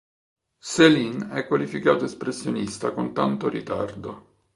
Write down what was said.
Céline è qualificato espressionista con tanto ritardo.